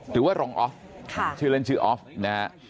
หรือว่ารองออฟชื่อเล่นชื่อออฟนะฮะ